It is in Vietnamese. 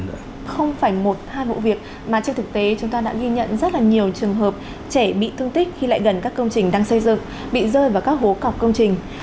không phải một hai vụ việc mà trên thực tế chúng ta đã ghi nhận rất là nhiều trường hợp trẻ bị thương tích khi lại gần các công trình đang xây dựng bị rơi vào các hố cọc công trình